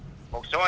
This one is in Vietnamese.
cái khu vực biển gió